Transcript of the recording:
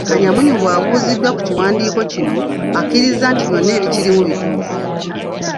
Kanyamunyu bw'abuuziddwa ku kiwandiiko kino, akkiriza nti byonna ebikirimu bituufu.